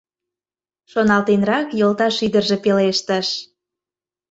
— шоналтенрак йолташ ӱдыржӧ пелештыш.